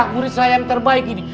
murid saya yang terbaik ini